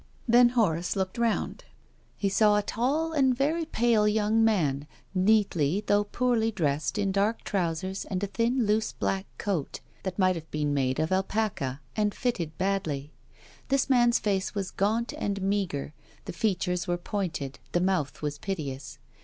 Then Horace looked round. 352 TONGUES OF CONSCIENCE. He saw a tall and very pale young man, neatly though poorly dressed in dark trousers and a thin loose black coat that might have been made of alpaca, and fitted badly. This man's face was gaunt and meagre, the features were pointed, the mouth was piteous.